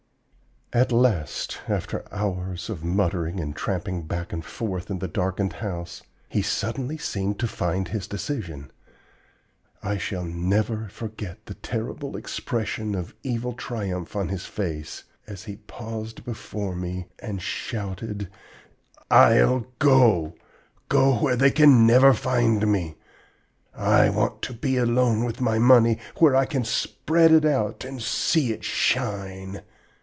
"At last, after hours of muttering and tramping back and forth in the darkened house, he suddenly seemed to find his decision. I shall never forget the terrible expression of evil triumph on his face as he paused before me and shouted: "'I'll go! Go where they can never find me! I want to be alone with my money, where I can spread it out and see it shine!